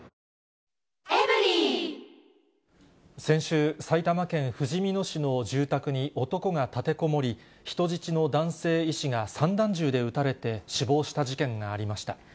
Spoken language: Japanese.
先週、埼玉県ふじみ野市の住宅に男が立てこもり、人質の男性医師が散弾銃で撃たれて死亡した事件がありました。